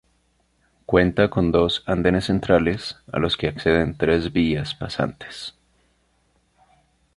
Cuenta con dos andenes centrales a los que acceden tres vías pasantes.